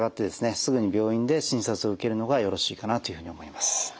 すぐに病院で診察を受けるのがよろしいかなというふうに思います。